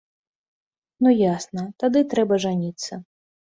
Ну, ясна, тады трэба жаніцца.